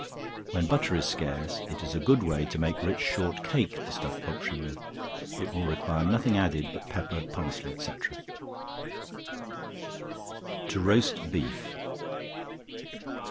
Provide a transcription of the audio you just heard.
When butter is scarce, it is a good way to make rich short cake to stuff poultry with; it will require nothing added but pepper, parsley, &c. To Roast Beef.